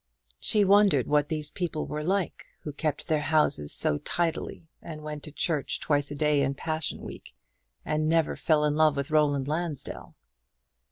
She wondered what these people were like, who kept their houses so tidily, and went to church twice a day in Passion week, and never fell in love with Roland Lansdell.